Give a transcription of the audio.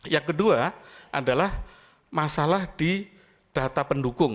yang kedua adalah masalah di data pendukung